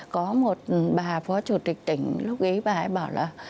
có một bà phó chủ tịch tỉnh lúc ấy bà ấy bảo là